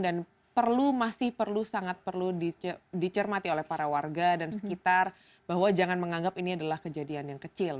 dan perlu masih perlu sangat perlu dicermati oleh para warga dan sekitar bahwa jangan menganggap ini adalah kejadian yang kecil